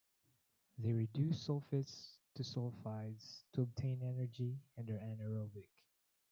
They reduce sulphates to sulphides to obtain energy and are anaerobic.